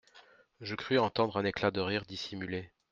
Je crus entendre un éclat de rire dissimulé.